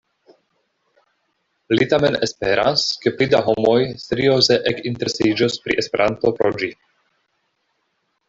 Li tamen esperas, ke pli da homoj serioze ekinteresiĝos pri Esperanto pro ĝi.